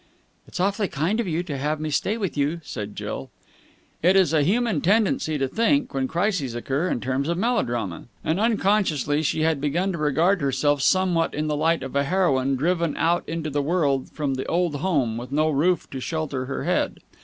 "It's awfully kind of you to have me to stay with you," said Jill. It is a human tendency to think, when crises occur, in terms of melodrama, and unconsciously she had begun to regard herself somewhat in the light of a heroine driven out into the world from the old home, with no roof to shelter her head.